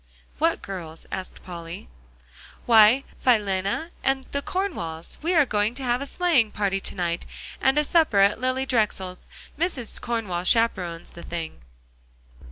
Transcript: "What girls?" asked Polly. "Why, Philena and the Cornwalls; we are going to have a sleighing party to night, and a supper at Lilly Drexell's. Mrs. Cornwall chaperones the thing."